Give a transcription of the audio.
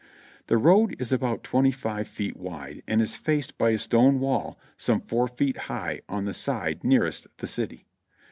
The road is about twenty five feet wide and is faced by a stone wall some four feet high on the side nearest the city.